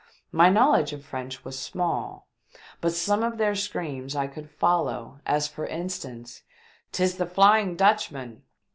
My knowledge of French was small, but some of their screams I could follow, as for instance :" 'Tis the Flying Dutchman